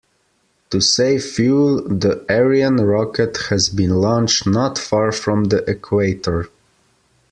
To save fuel, the Ariane rocket has been launched not far from the equator.